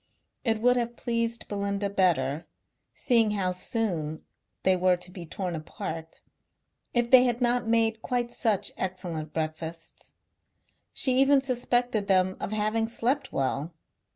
It would have pleased Belinda better, seeing how soon they were to be torn apart, if they had not made quite such excellent breakfasts. She even suspected them of having slept well.